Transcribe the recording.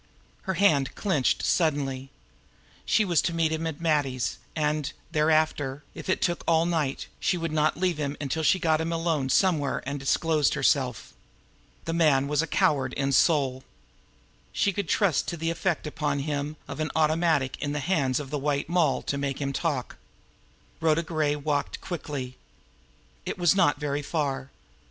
Her hand clenched suddenly. She was to meet him at Matty's and, thereafter, if it took all night, she would not leave him until she had got him alone somewhere and disclosed herself. The man was a coward in soul. She could trust to the effect upon him of an automatic in the hands of the White Mall to make him talk. Rhoda Gray walked quickly. It was not very far.